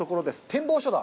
展望所だ。